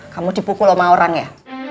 kamu dipukul sama orang ya